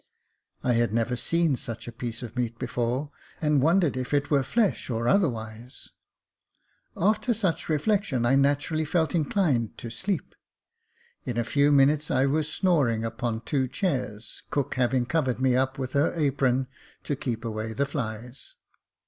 I had never seen such a piece of meat before, and wondered if it were fresh or other wise. After such reflection I naturally felt inclined to sleep ; in a few minutes I was snoring upon two chairs, cook having covered me up with her apron to keep away the flies.